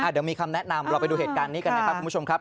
เดี๋ยวมีคำแนะนำเราไปดูเหตุการณ์นี้กันนะครับคุณผู้ชมครับ